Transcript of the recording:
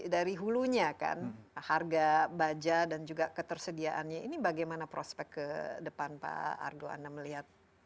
dari hulunya kan harga baja dan juga ketersediaannya ini bagaimana prospek ke depan pak ardo anda melihat